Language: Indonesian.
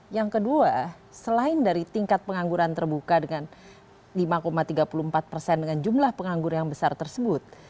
yang kedua selain dari tingkat pengangguran terbuka dengan lima tiga puluh empat persen dengan jumlah penganggur yang besar tersebut